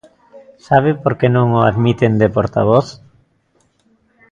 ¿Sabe por que non o admiten de portavoz?